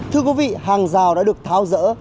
thưa quý vị hàng rào đã được tháo rỡ